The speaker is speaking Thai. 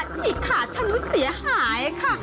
ฉีกขาดฉันมันเสียหายค่ะ